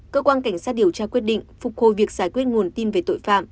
cơ quan cảnh sát điều tra quyết định phục hồi việc giải quyết nguồn tin về tội phạm